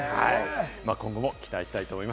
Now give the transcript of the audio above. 今後も期待したいと思います。